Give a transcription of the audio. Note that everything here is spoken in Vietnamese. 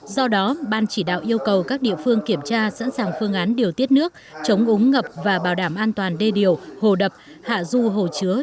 do đó ban chỉ đạo yêu cầu các địa phương kiểm tra sẵn sàng phương án điều tiết nước chống úng ngập và bảo đảm an toàn đê điều hồ đập hạ du hồ chứa